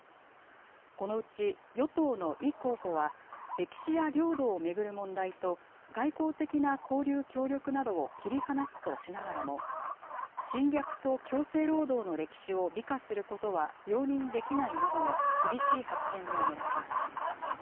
このうち与党のイ候補は、歴史や領土を巡る問題と、外交的な交流・協力などを切り離すとしながらも、侵略と強制労働の歴史を美化することは容認できないなどの厳しい発言も目立ちます。